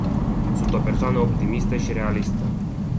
Sunt o persoană optimistă și realistă.